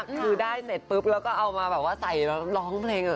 คือได้เสร็จปุ๊บแล้วก็เอามาแบบว่าใส่ร้องเพลง